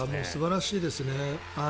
素晴らしいですね。